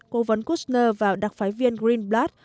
cố vấn kushner và đặc phái viên greenblatt